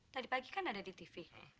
tadi pagi kan ada di tv